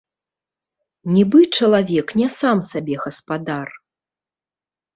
Нібы чалавек не сам сабе гаспадар.